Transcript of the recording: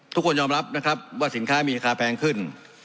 ทุกคนยอมรับนะครับว่าสินค้ามีราคาแพงขึ้น